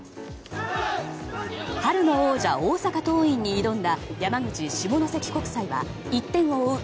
春の王者・大阪桐蔭に挑んだ山口・下関国際は１点を追う